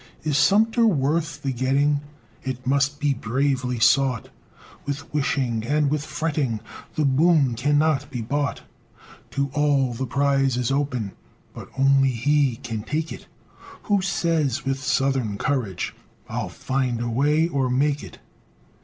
Is Sumter worth the getting? It must be bravely sought; With wishing and with fretting The boon cannot be bought; To all the prize is open, But only he can take it Who says, with "SOUTHERN COURAGE," "I'LL FIND A WAY, OR MAKE IT!"